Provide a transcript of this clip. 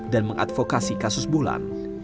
dan mengadvokasi kasus bulan